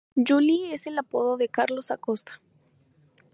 Yuli es el apodo de Carlos Acosta.